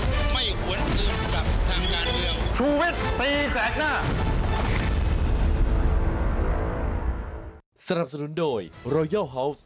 ไม่หวนอื่นกับทางด้านเดียว